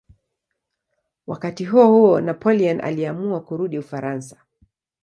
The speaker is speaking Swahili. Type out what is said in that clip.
Wakati huohuo Napoleon aliamua kurudi Ufaransa.